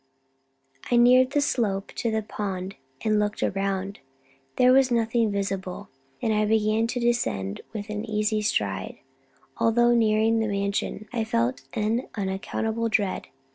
I neared the slope to the pond, and looked down; there was nothing visible, and I began to descend with an easy stride. Although nearing the Mansion, I felt an unaccountable dread.